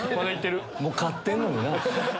もう勝ってんのにな。